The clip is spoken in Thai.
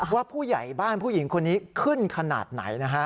ว่าผู้ใหญ่บ้านผู้หญิงคนนี้ขึ้นขนาดไหนนะฮะ